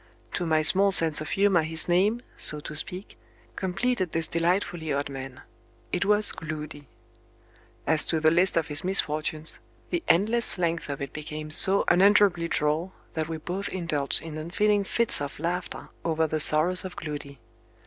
To my small sense of humor his name, so to speak, completed this delightfully odd man: it was Gloody. As to the list of his misfortunes, the endless length of it became so unendurably droll, that we both indulged in unfeeling fits of laughter over the sorrows of Gloody.